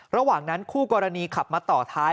ระหว่างนั้นคู่กรณีขับมาต่อท้าย